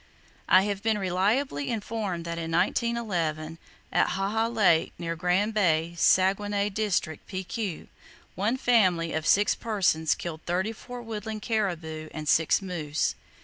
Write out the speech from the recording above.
I have been reliably informed that in 1911, at Haha Lake, near Grande Bay, Saguenay District, P.Q., one family of six persons killed thirty four woodland caribou and six moose.